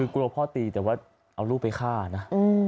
กลัวพ่อตีแต่ว่าเอาลูกไปฆ่านะ